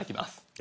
え？